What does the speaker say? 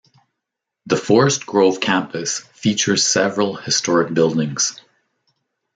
The Forest Grove Campus features several historic buildings.